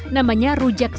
namanya rujak soto